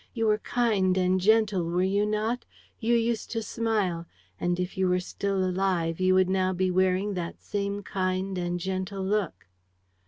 You were kind and gentle, were you not? You used to smile; and, if you were still alive, you would now be wearing that same kind and gentle look?